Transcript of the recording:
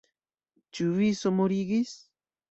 Ĉu vi somorigis?